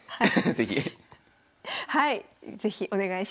はい。